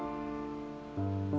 gak ada apa apa